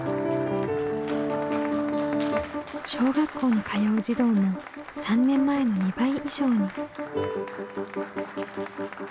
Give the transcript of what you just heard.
小学校に通う児童も３年前の２倍以上に。